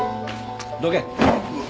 どけ。